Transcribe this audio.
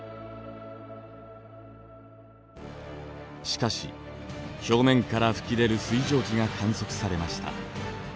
しかし表面から吹き出る水蒸気が観測されました。